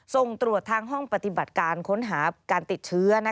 ส่งตรวจทางห้องปฏิบัติการค้นหาการติดเชื้อ